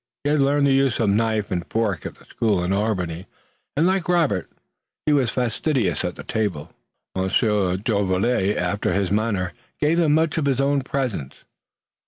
He had learned the use of knife and fork at the school in Albany, and, like Robert, he was fastidious at the table. Monsieur Jolivet, after his manner, gave them much of his own presence.